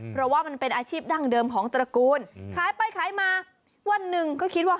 เพราะว่ามันเป็นอาชีพดั้งเดิมของตระกูลขายไปขายมาวันหนึ่งก็คิดว่า